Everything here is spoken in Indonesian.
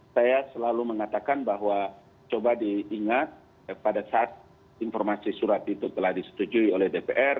saya selalu mengatakan bahwa coba diingat pada saat informasi surat itu telah disetujui oleh dpr